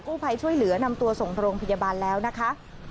ภัยช่วยเหลือนำตัวส่งโรงพยาบาลแล้วนะคะ